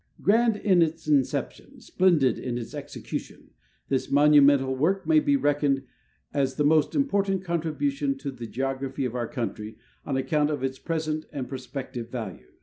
298 GEOGRAPHIC WORK OF THE U. S. COAST SURVEY Grand in its inception, splendid in its execution, this monu mental work may be reckoned as the most important contribu tion to the geography of our country, on account of its present and prospective value.